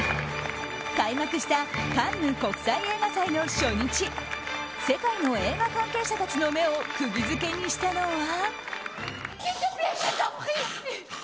開幕したカンヌ国際映画祭の初日世界の映画関係者たちの目をくぎ付けにしたのは。